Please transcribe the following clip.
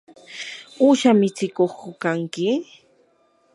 ¿uusha mitsikuqku kanki?